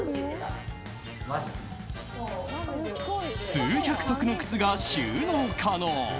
数百足の靴が収納可能。